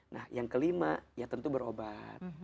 nah yang kelima ya tentu berobat